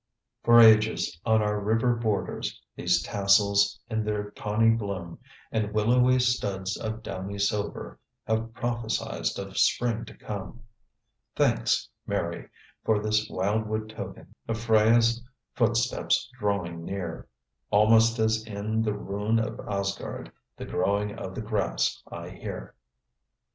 _"For ages, on our river borders, These tassels in their tawny bloom And willowy studs of downy silver Have prophesied of spring to come. "Thanks, Mary, for this wildwood token Of Freya's footsteps drawing near; Almost, as in the rune of Asgard, The growing of the grass I hear."